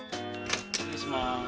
失礼します。